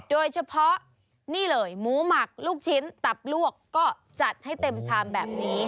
โดยเฉพาะนี่เลยหมูหมักลูกชิ้นตับลวกก็จัดให้เต็มชามแบบนี้